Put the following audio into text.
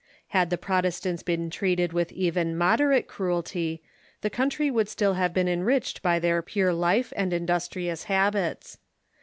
Had the Protestants been treated with even mod erate cruelty the country woukl still have been enriched by their pure life and industrious habits.